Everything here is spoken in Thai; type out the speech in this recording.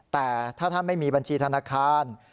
แต่ถ้าท่านไม่มีบัญชีธนาคาร